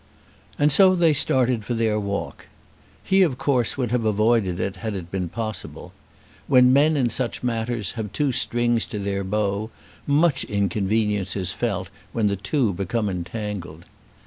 And so they started for their walk. He of course would have avoided it had it been possible. When men in such matters have two strings to their bow, much inconvenience is felt when the two become entangled.